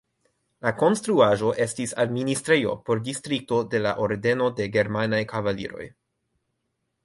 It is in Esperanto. La konstruaĵo estis administrejo por distrikto de la Ordeno de germanaj kavaliroj.